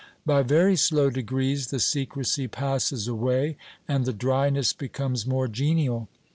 By very slow degrees the secrecy passes away, and the dryness becomes more genial.